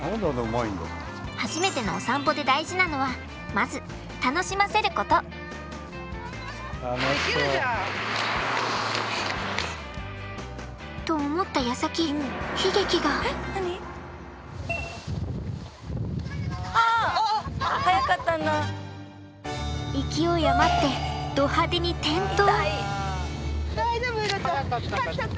初めてのお散歩で大事なのはまず楽しませること！と思ったやさき勢い余ってど派手に転倒。